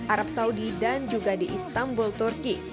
arab saudi dan juga di istanbul turki